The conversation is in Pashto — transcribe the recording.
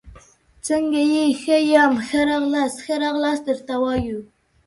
څنګه يي ، ښه يم، ښه راغلاست ، ښه راغلاست درته وایو